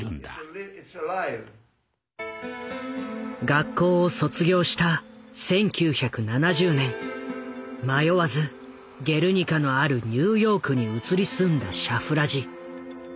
学校を卒業した１９７０年迷わず「ゲルニカ」のあるニューヨークに移り住んだシャフラジ。